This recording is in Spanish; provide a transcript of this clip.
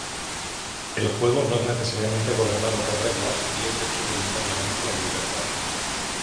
El juego no es necesariamente gobernado por reglas y es hecho voluntariamente en libertad.